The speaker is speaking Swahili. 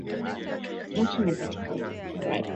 Muchi inakatika na radi